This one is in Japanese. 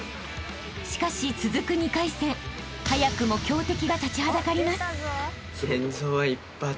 ［しかし続く２回戦早くも強敵が立ちはだかります］